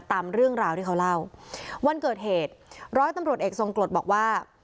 ตามเรื่องราวที่เขาเล่าวันเกิดเหตุร้อยตำรวจเอกทรงกรดบอกว่า